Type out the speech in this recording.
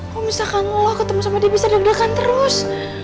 kalau misalkan lo ketemu sama dia bisa deg degan terus